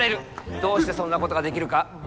どうしてそんなことができるか？